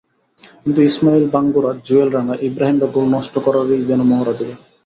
কিন্তু Ismail Bangura, Jewel Rana, ইব্রাহিমরা goal নষ্ট করারই যেন মহড়া দিলেন।